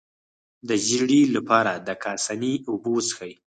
د ژیړي لپاره د کاسني اوبه وڅښئ